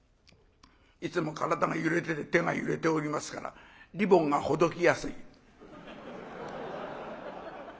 いつも体が揺れてて手が揺れておりますからリボンがほどきやすい。